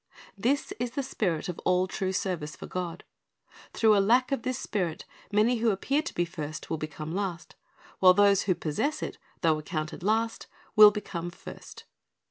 This is the spirit of all true service for God. Through a lack of this spirit, many who appear to be first will become last, while those who possess it, though accounted last, will become first.